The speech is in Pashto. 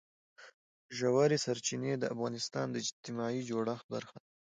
ژورې سرچینې د افغانستان د اجتماعي جوړښت برخه ده.